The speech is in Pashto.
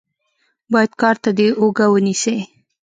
بايد کار ته دې اوږه ونيسې.